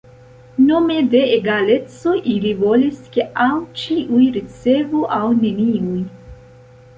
Nome de egaleco ili volis ke aŭ ĉiuj ricevu aŭ neniuj.